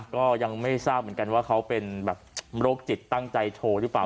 ก็ยังไม่ทราบเหมือนกันว่าเขาเป็นแบบโรคจิตตั้งใจโชว์หรือเปล่า